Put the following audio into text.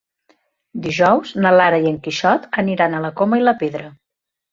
Dijous na Lara i en Quixot aniran a la Coma i la Pedra.